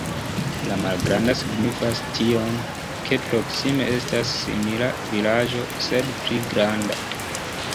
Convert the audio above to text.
La malgranda signifas tion, ke proksime estas simila vilaĝo, sed pli granda.